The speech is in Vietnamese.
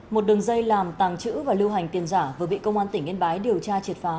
một đường dây làm tàng trữ và lưu hành tiền giả vừa bị công an tỉnh yên bái điều tra triệt phá